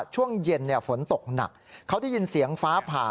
ช่วงเย็นฝนตกหนักเขาได้ยินเสียงฟ้าผ่า